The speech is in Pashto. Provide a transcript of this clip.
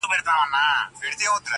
هغه وكړې سوگېرې پــه خـاموشـۍ كي~